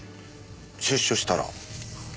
「出所したら」。